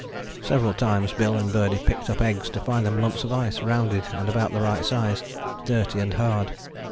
Several times Bill and Birdie picked up eggs to find them lumps of ice, rounded and about the right size, dirty and hard.